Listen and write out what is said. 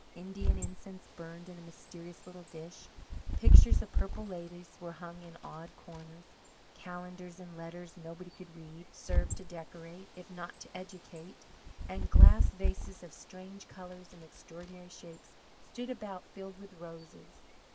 Indian incense burned in a mysterious little dish, pictures of purple ladies were hung in odd corners, calendars in letters nobody could read, served to decorate, if not to educate, and glass vases of strange colours and extraordinary shapes stood about filled with roses.